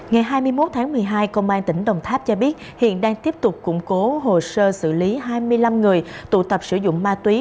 ngày hai mươi một tháng một mươi hai công an tỉnh đồng tháp cho biết hiện đang tiếp tục củng cố hồ sơ xử lý hai mươi năm người tụ tập sử dụng ma túy